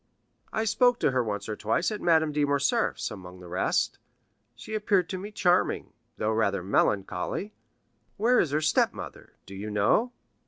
"I spoke to her once or twice at Madame de Morcerf's, among the rest; she appeared to me charming, though rather melancholy. Where is her stepmother? Do you know?"